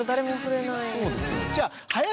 じゃあ。